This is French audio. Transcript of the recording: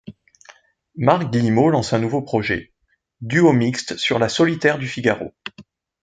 Marc Guillemot lance un nouveau projet: Duo Mixte sur La Solitaire du Figaro.